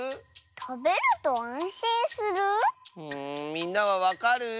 みんなはわかる？